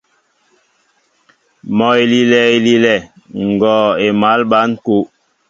Mɔ elilɛ elilɛ, ngɔɔ émal ɓăn kúw.